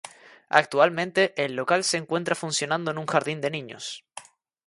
Actualmente el local se encuentra funcionando en un jardín de niños.